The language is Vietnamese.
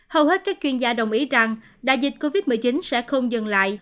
hầu hết các chuyên gia đồng ý rằng đại dịch covid một mươi chín sẽ không dừng lại